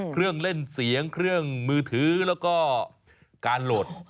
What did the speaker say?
เครื่องเล่นเสียงเครื่องมือถือแล้วก็การโหลด